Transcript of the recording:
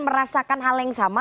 merasakan hal yang sama